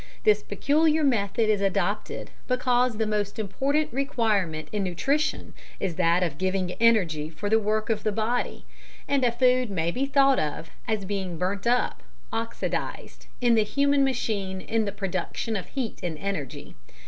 This peculiar method is adopted because the most important requirement in nutrition is that of giving energy for the work of the body, and a food may be thought of as being burnt up (oxidised) in the human machine in the production of heat and energy.